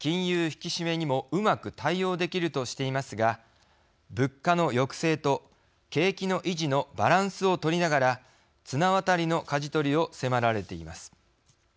引き締めにもうまく対応できるとしていますが物価の抑制と景気の維持のバランスをとりながら綱渡りのかじ取りを迫られています。